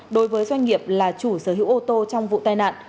đối với doanh nghiệp là chủ sở hữu ô tô trong vụ tai nạn